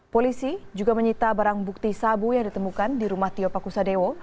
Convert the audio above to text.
polisi juga menyita barang bukti sabu yang ditemukan di rumah tio pakusadewo